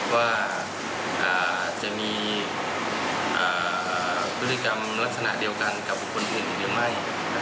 ว่าจะมีพฤติกรรมลักษณะเดียวกันกับบุคคลอื่นอีกหรือไม่